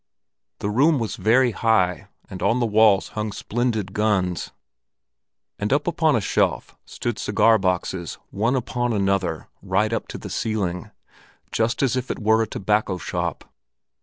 The room was very high, and on the walls hung splendid guns; and up upon a shelf stood cigar boxes, one upon another, right up to the ceiling, just as if it were a tobacco shop.